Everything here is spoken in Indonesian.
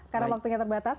karena waktunya terbatas